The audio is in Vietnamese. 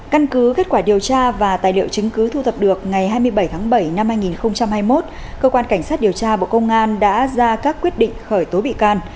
căn cứ kết quả điều tra và tài liệu chứng cứ thu thập được ngày hai mươi bảy tháng bảy năm hai nghìn hai mươi một cơ quan cảnh sát điều tra bộ công an đã ra các quyết định khởi tố bị can